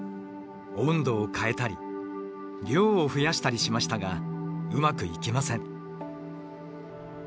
温度を変えたり量を増やしたりしましたがうまくいきません。